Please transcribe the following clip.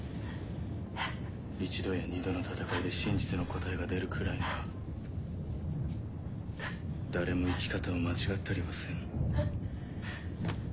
一度や二度の戦いで真実の答えが出るくらいなら誰も生き方を間違ったりはせん。